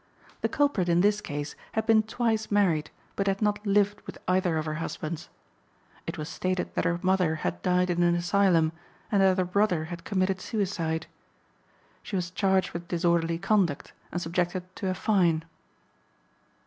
The culprit in this case had been twice married, but had not lived with either of her husbands; it was stated that her mother had died in an asylum, and that her brother had committed suicide. She was charged with disorderly conduct, and subjected to a fine.